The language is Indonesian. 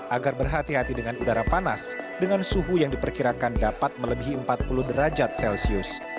agar berhati hati dengan udara panas dengan suhu yang diperkirakan dapat melebihi empat puluh derajat celcius